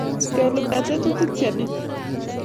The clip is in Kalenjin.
kelumda tetutik che niin